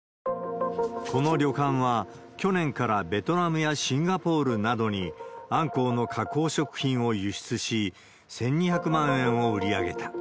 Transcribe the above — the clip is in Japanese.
この旅館は、去年からベトナムやシンガポールなどにアンコウの加工食品を輸出し、１２００万円を売り上げた。